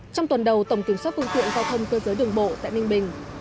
trong tuần đầu tổng kiểm soát phương tiện giao thông cơ giới đường bộ tại ninh bình